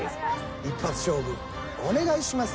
一発勝負お願いします。